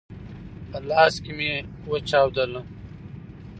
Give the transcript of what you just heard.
په لاس کي مي وچاودله !